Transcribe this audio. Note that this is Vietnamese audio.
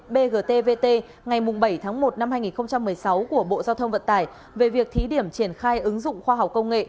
bgtvt ngày bảy tháng một năm hai nghìn một mươi sáu của bộ giao thông vận tải về việc thí điểm triển khai ứng dụng khoa học công nghệ